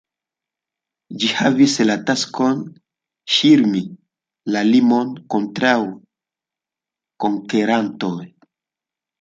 Ĝi havis la taskon ŝirmi la limon kontraŭ konkerantoj.